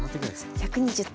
１２０点。